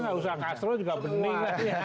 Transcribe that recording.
nggak usah castro juga bening